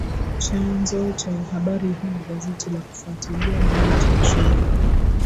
Chanzo cha habari hii ni gazeti la Kufuatilia linalochapishwa Uganda.